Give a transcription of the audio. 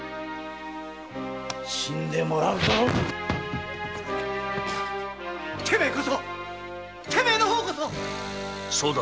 死んでもらうぞテメェこそテメェの方こそ・そうだ。